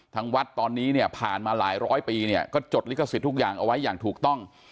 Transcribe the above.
ทางวัดตอนนี้เนี่ยผ่านมาหลายร้อยปีเนี่ยก็จดลิขสิทธิ์ทุกอย่างเอาไว้อย่างถูกต้อง